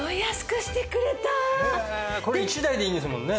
これ１台でいいんですもんね？